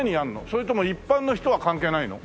それとも一般の人は関係ないの？